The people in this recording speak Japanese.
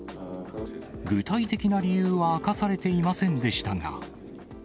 具体的な理由は明かされていませんでしたが。